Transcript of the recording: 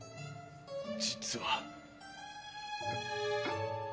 実は？